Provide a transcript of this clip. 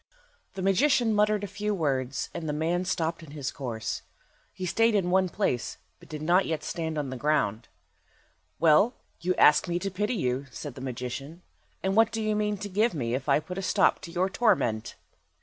The magician muttered a few words, and the man stopped in his course. He stayed in one place, but did not yet stand on the ground. "Well, you ask me to pity you," said the magician. "And what do you mean to give me if I put a stop to your torment?"